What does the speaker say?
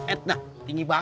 eh tuh tinggi lagi